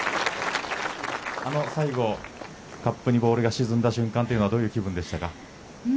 最後カップにボールが沈んだ瞬間というときはどんな気分でした。